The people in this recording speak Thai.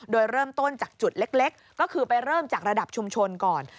โดยเริ่มต้นจากจุดเล็กก็คือไปเริ่มจากระดับชุมชนก่อน